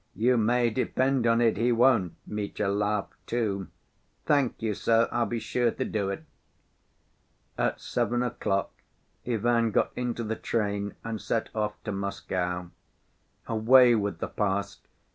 "You may depend on it he won't." Mitya laughed too. "Thank you, sir. I'll be sure to do it." At seven o'clock Ivan got into the train and set off to Moscow "Away with the past.